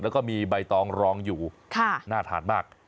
แล้วก็มีใบตองรองอยู่น่าทานมาก